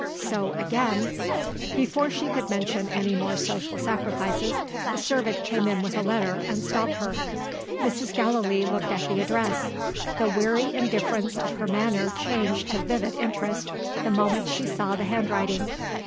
So again " Before she could mention any more social sacrifices, the servant came in with a letter, and stopped her. Mrs. Gallilee looked at the address. The weary indifference of her manner changed to vivid interest, the moment she saw the handwriting.